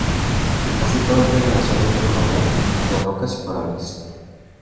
Casi todos viven en la zona intermareal, entre rocas y corales.